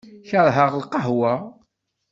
Keṛheɣ lqahwa.